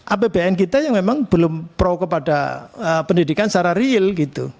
apbn kita yang memang belum pro kepada pendidikan secara real gitu